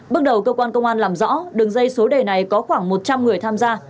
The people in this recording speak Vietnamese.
bước đầu cơ quan công an làm rõ đường dây số đề này có khoảng một trăm linh người tham gia